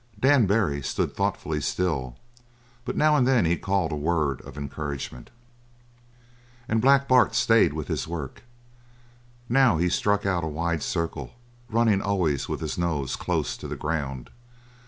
Dan Barry stood thoughtfully still, but now and then he called a word of encouragement. And Black Bart stayed with his work. Now he struck out a wide circle, running always with his nose close to the ground.